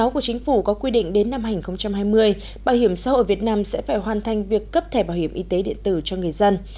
một trăm bốn mươi sáu của chính phủ có quy định đến năm hai nghìn hai mươi bảo hiểm xã hội việt nam sẽ phải hoàn thành việc cấp thẻ bảo hiểm y tế điện tử cho người dân